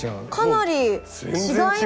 かなり違いますね。